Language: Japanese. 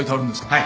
はい。